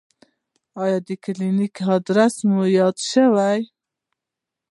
ایا د کلینیک ادرس مو یاد شو؟